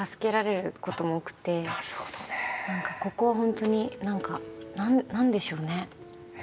何かここは本当に何か何でしょうね。